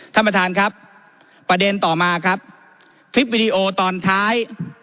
ท่านประธานครับประเด็นต่อมาครับคลิปวิดีโอตอนท้าย